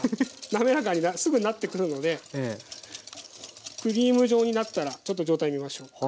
滑らかにすぐなってくるのでクリーム状になったらちょっと状態見ましょうか。